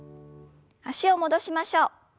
脚を戻しましょう。